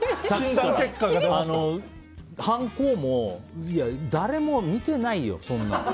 はんこも誰も見てないよ、そんな。